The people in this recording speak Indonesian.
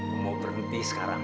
gue mau berhenti sekarang